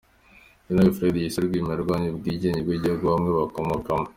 Gen Fred Gisa Rwigema yarwaniye ubwigenge bw’ibihugu bamwe bakomokamo.